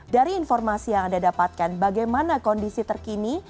dari informasi yang anda dapatkan bagaimana kondisi terkini